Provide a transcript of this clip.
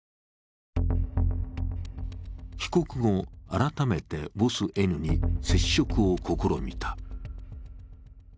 帰国後、改めてボスＮに接触を試みた。